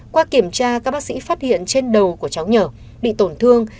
qua kiểm tra các bác sĩ phát hiện trên đầu của cháu nhỏ bị tổn thương